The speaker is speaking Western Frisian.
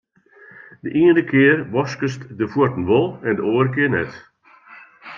De iene kear waskest de fuotten wol en de oare kear net.